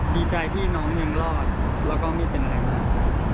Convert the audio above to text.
ดีใจที่น้องยังรอดแล้วก็ไม่เป็นอะไรมาก